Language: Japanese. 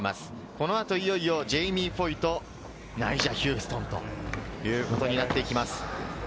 このあといよいよジェイミー・フォイとナイジャ・ヒューストンということになってきます。